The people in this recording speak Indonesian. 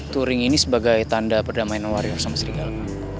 touring ini sebagai tanda perdamaian wario sama serigala